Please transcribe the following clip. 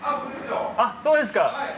（あっそうですか。